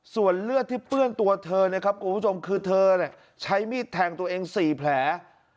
ส่วนเลือดที่เปื้อนตัวเธอนะครับคุณผู้ชมคือเธอใช้มีดแทงตัวเอง๔แผล